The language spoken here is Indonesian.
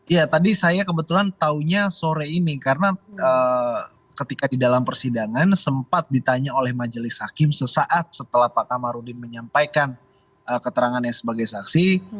ya tadi saya kebetulan tahunya sore ini karena ketika di dalam persidangan sempat ditanya oleh majelis hakim sesaat setelah pak kamarudin menyampaikan keterangannya sebagai saksi